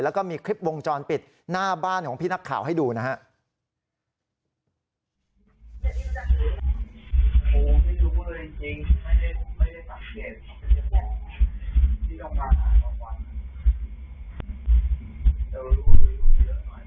แล้วก็มีคลิปวงจรปิดหน้าบ้านของพี่นักข่าวให้ดูนะครับ